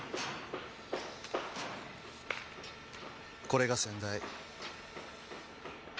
これが先代。